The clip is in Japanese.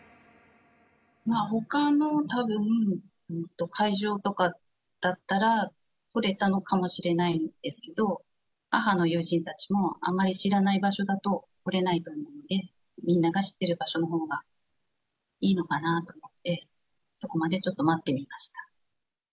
ほかの、たぶん斎場とかだったら取れたのかもしれないんですけど、母の友人たちも、あまり知らない場所だと来れないと思うので、みんなが知ってる場所のほうがいいのかなと思って、そこまでちょっと待ってみました。